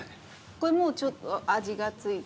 これもうちょっと味が付いてて？